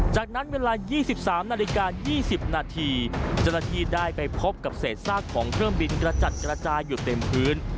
จากนั้นเวลา๒๓นาฬิกา๒๐นาทีเจ้าหน้าที่ได้ไปพบกับเศษซากของเครื่องบินกระจัดกระจายอยู่เต็มพื้น